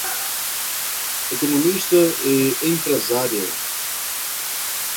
Economista e empresária